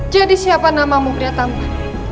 jadi siapa namamu pria tampan